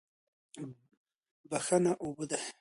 بښنه اوبه دي.